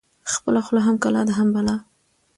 خپله خوله هم کلا ده، هم بلا